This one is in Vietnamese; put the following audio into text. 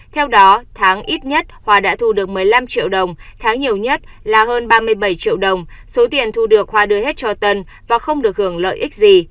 theo đó tháng ít nhất hòa đã thu được một mươi năm triệu đồng tháng nhiều nhất là hơn ba mươi bảy triệu đồng số tiền thu được hòa đưa hết cho tân và không được hưởng lợi ích gì